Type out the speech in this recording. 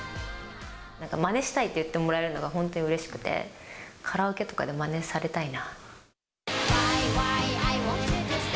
なんかまねしたいって言ってもらえるのが本当にうれしくて、カラオケとかでまねされたいな。